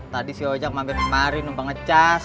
tadi si ojak mampir kemarin mampir ngecas